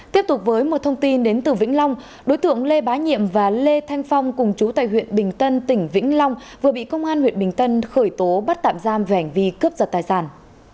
tiếp tục với một thông tin đến từ vĩnh long đối tượng lê bá nhiệm và lê thanh phong cùng chú tại huyện bình tân tỉnh vĩnh long vừa bị công an huyện bình tân khởi tố bắt tạm giam về hành vi cướp giật tài sản